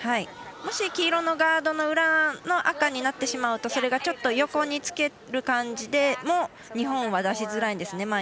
もし黄色のガードの裏の赤になってしまうとちょっと横につける感じでも日本は出しづらいんですね。